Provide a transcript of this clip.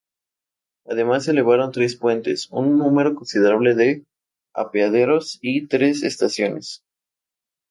Además se elevaron tres puentes, un número considerable de apeaderos y tres estaciones.